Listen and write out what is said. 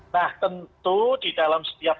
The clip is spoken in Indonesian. nah tentu di dalam setiap